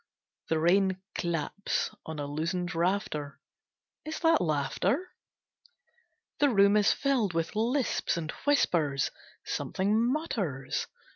The rain claps on a loosened rafter. Is that laughter? The room is filled with lisps and whispers. Something mutters.